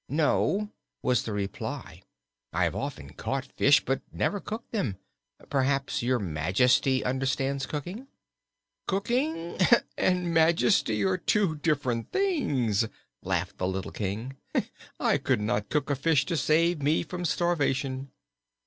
"No," was the reply. "I have often caught fish, but never cooked them. Perhaps Your Majesty understands cooking." "Cooking and majesty are two different things," laughed the little King. "I could not cook a fish to save me from starvation."